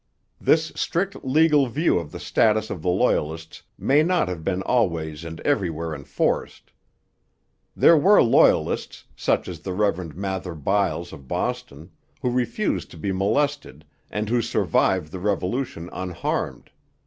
This strict legal view of the status of the Loyalist may not have been always and everywhere enforced. There were Loyalists, such as the Rev. Mather Byles of Boston, who refused to be molested, and who survived the Revolution unharmed.